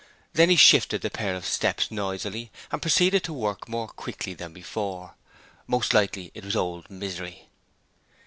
Then he shifted the pair of steps noisily, and proceeded to work more quickly than before. Most likely it was old Misery.